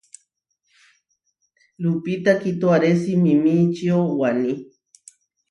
Lupita kitoaré simimíčio Waní.